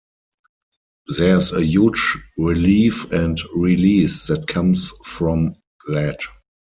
There's a huge relief and release that comes from that.